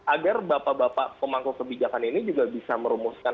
agar bapak bapak pemangku kebijakan ini juga bisa merumuskan